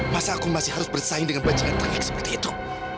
masa aku masih harus bersaing dengan baju yang terik seperti itu